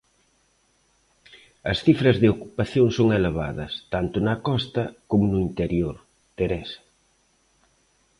As cifras de ocupación son elevadas tanto na costa coma no interior, Teresa.